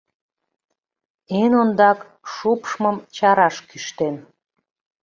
— Эн ондак шупшмым чараш кӱштем.